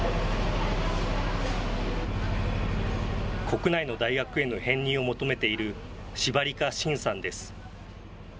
国内の大学への編入を求めている、シバリカ・シンさんです。